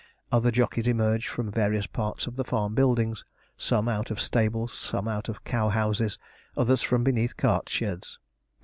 Other jockeys emerge from various parts of the farm buildings; some out of stables; some out of cow houses; others from beneath cart sheds.